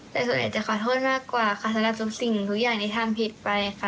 แต่ส่วนใหญ่จะขอโทษมากกว่าค่ะสำหรับทุกสิ่งทุกอย่างที่ทำผิดไปค่ะ